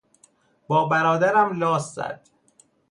با برادرم لاس زد.